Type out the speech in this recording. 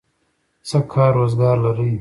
څه کار روزګار لرئ؟